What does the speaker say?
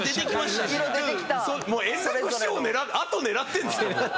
あと狙ってるんですか？